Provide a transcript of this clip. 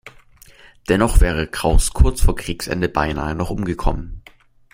Dennoch wäre Krauss kurz vor Kriegsende beinahe noch umgekommen.